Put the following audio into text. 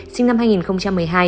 sinh năm hai nghìn một mươi hai